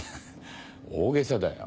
大げさだよ。